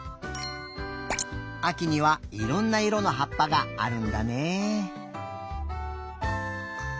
あきにはいろんないろのはっぱがあるんだね。